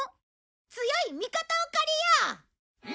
強い味方を借りよう！